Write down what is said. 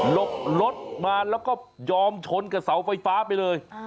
รถมาแล้วก็ยอมชนกับเสาไฟฟ้าไปเลย